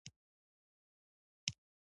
رومیان په غنمو، تېلو او شرابو بوخت کړای شول